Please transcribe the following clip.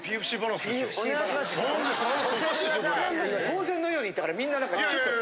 当然のように言ったからみんな何かちょっと。